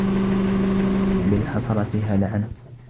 وَبِالْحَسْرَةِ هَلَعًا